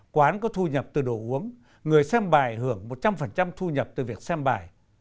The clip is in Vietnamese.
quán có thu nhập từ đồ uống người xem bài hưởng một trăm linh thu nhập từ việc xem bài